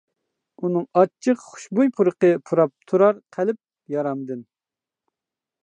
ئۇنىڭ ئاچچىق، خۇشبۇي پۇرىقى پۇراپ تۇرار قەلب يارامدىن.